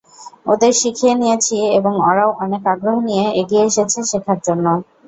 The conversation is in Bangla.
ওদের শিখিয়ে নিয়েছি এবং ওরাও অনেক আগ্রহ নিয়ে এগিয়ে এসেছে শেখার জন্য।